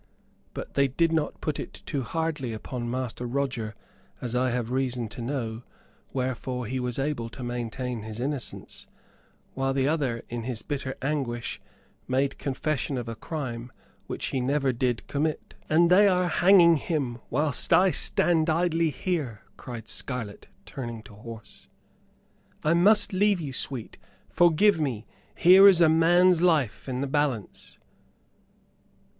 But they did not put it too hardly upon Master Roger, as I have reason to know, wherefore he was able to maintain his innocence; whilst the other, in his bitter anguish, made confession of a crime which he did never commit." "And they are hanging him whilst I stand idly here," cried Scarlett, turning to horse. "I must leave you, sweet; forgive me. Here is a man's life in the balance."